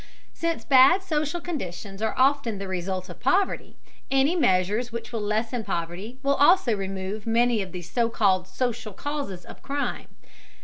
Since bad social conditions are often the result of poverty, any measures which will lessen poverty will also remove many of the so called social causes of crime.